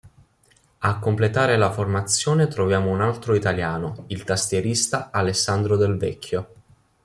A completare la formazione troviamo un altro italiano: il tastierista Alessandro Del Vecchio.